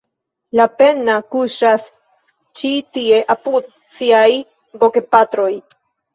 Lapenna kuŝas ĉi tie apud siaj bogepatroj.